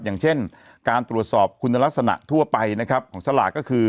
อย่างเช่นการตรวจสอบคุณลักษณะทั่วไปนะครับของสลากก็คือ